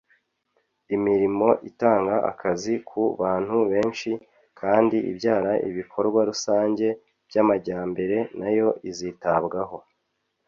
imirimo itanga akazi ku bantu benshi kandi ibyara ibikorwa rusange by'amajyambere nayo izitabwaho.